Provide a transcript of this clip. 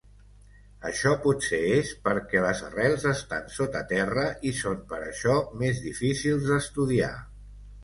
Això potser es perquè les arrels estan sota terra i són per això més difícils d'estudiar.